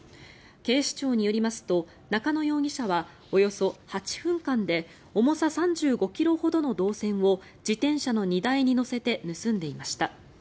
警視庁によりますと中野容疑者はおよそ８分間で重さ３５ｋｇほどの銅線を自転車の荷台に載せて盗んでいました。